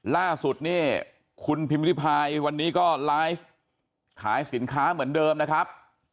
ล่าสุดนี่คุณพิมพิริพายวันนี้ก็ไลฟ์ขายสินค้าเหมือนเดิมนะครับ